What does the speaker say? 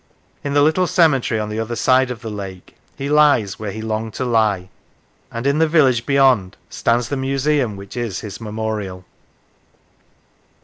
In the little cemetery on the other side of the lake he lies where he longed to lie, and in the village beyond stands the museum which is his memorial.